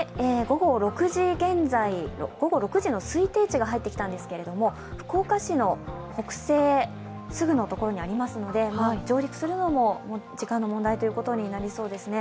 午後６時の推定値が入ってきたんですけれども福岡市の北西すぐの所にありますので上陸するのも時間の問題ということになりそうですね。